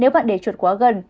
nếu bạn để chuột quá gần